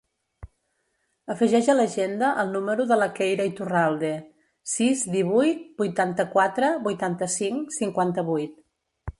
Afegeix a l'agenda el número de la Keira Iturralde: sis, divuit, vuitanta-quatre, vuitanta-cinc, cinquanta-vuit.